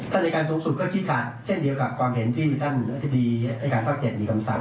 ถ้าในการสมสูจน์ก็คิดค่ะเช่นเดียวกับความเห็นที่ท่านอธิบีในการสร้างเกียรติมีคำสั่ง